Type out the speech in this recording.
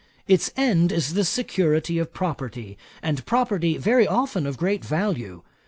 Its end is the security of property; and property very often of great value.